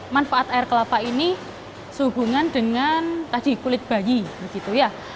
manfaat air kelapa ini sehubungan dengan tadi kulit bayi begitu ya